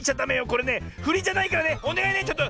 これねふりじゃないからね。おねがいねちょっと。